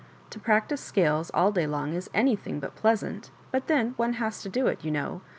To practise scales all day long is any thing but pleasant, but then one has to do it, you know.